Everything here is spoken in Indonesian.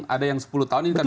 ada yang sepuluh tahun ini kan